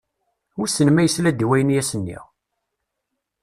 Wissen ma yesla-d i wayen i as-nniɣ?